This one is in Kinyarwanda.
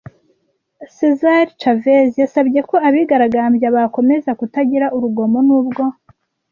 Cesar Chavez yasabye ko abigaragambyaga bakomeza kutagira urugomo nubwo